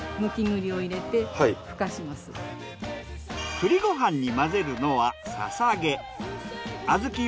栗ご飯に混ぜるのはささげ。